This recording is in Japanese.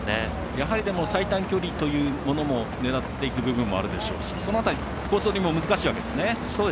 やはり最短距離というものも狙っていく部分もあるでしょうしその辺り、コースどりも難しいわけですね。